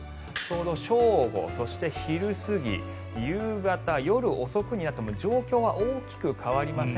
正午、昼過ぎ、夕方夜遅くになっても状況は大きく変わりません。